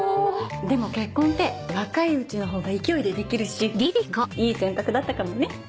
でも結婚って若いうちのほうが勢いでできるしいい選択だったかもね。